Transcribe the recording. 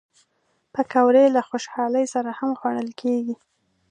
پکورې له خوشحالۍ سره هم خوړل کېږي